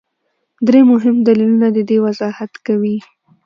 درې مهم دلیلونه د دې وضاحت کوي.